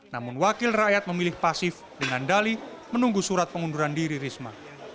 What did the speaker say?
namun wakil rakyat memilih pasif dengan dali menunggu surat pengunduran diri risma